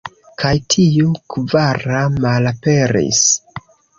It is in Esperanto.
Kaj tiu kvara malaperis.